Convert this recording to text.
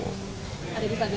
ada di pak ganjar